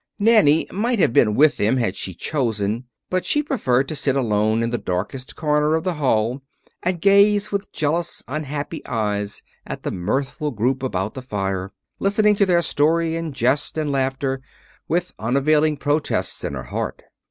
Nanny might have been with them had she chosen, but she preferred to sit alone in the darkest corner of the hall and gaze with jealous, unhappy eyes at the mirthful group about the fire, listening to their story and jest and laughter with unavailing protest in her heart.